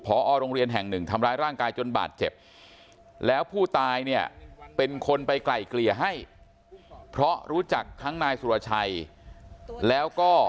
พอโรงเรียนแห่งหนึ่งทำร้ายร่างกายจนบาดเจ็บแล้วผู้ตายเนี่ยเป็นคนไปไกลเกลี่ยให้เพราะรู้จักทั้งนายสุรชัยแล้วก็